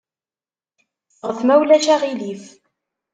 Ffɣet, ma ulac aɣilif.